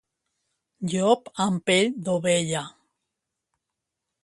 Llop amb pell d'ovella.